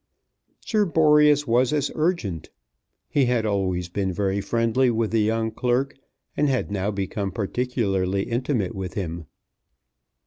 Sir Boreas was as urgent. He had always been very friendly with the young clerk, and had now become particularly intimate with him.